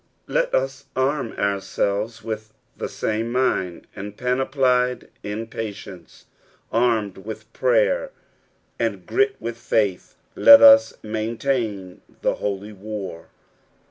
Let us arm ourselves with the same mind ; and panoplied in patience, armed with prayer, and girt with faith, let us maintain the Holy War.